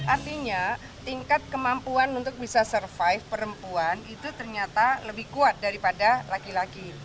artinya tingkat kemampuan untuk bisa survive perempuan itu ternyata lebih kuat daripada laki laki